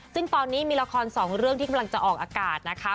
ซึ่งตอนนี้มีละครสองเรื่องที่กำลังจะออกอากาศนะคะ